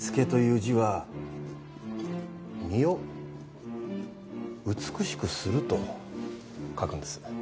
「躾」という字は「身」を「美しくする」と書くんです。